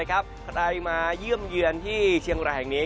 ใครมาเยี่ยมเยือนที่เชียงรายแห่งนี้